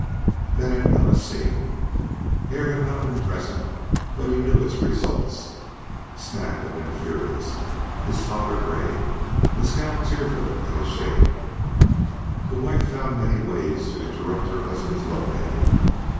Then had come a scene. Hare had not been present, but he knew its results. Snap had been furious, his father grave, Mescal tearful and ashamed. The wife found many ways to interrupt her husband's lovemaking.